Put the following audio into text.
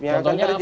yang akan terjadi